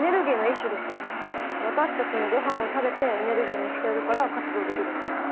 私たちもごはんを食べてエネルギーにしているから活動できるんです。